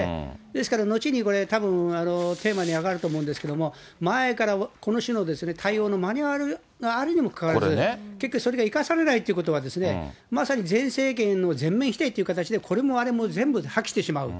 ですから、後にこれ多分テーマに上がると思うんですけども、前からこの種の対応のマニュアルがあるにもかかわらず、結局それが生かされないということは、まさに前政権への全面否定っていうことで、これもあれも全部破棄してしまう。